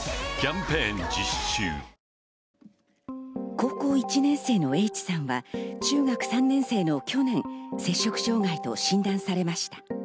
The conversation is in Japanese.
高校１年生のＨさんは中学３年生の去年、摂食障害と診断されました。